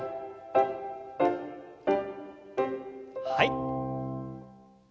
はい。